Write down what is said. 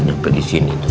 nampak disini toh